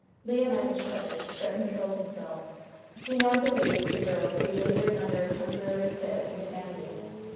Leonidas shuddered, but controlled himself. He now believed the girl to be laboring under a temporary fit of insanity.